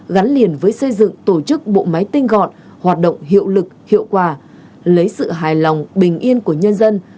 gắn liền với xây dựng tổ chức bộ máy tinh gọn hoạt động hiệu lực hiệu quả lấy sự hài lòng bình yên của nhân dân